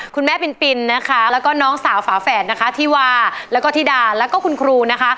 คุณแม่ปินนะคะแล้วก็น้องสาวฝาแฝดนะคะธิวาแล้วก็ธิดาแล้วก็คุณครูนะคะ